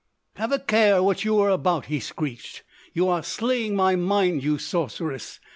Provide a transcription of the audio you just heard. "Have a care what you are about!" he screeched. "You are slaying my mind, you sorceress!